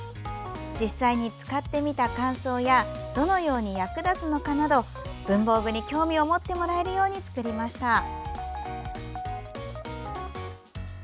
実際に使ってみた感想やどのように役立つのかなど文房具に興味を持ってもらえるように作りました。